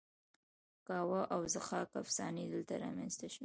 کاوه او ضحاک افسانې دلته رامینځته شوې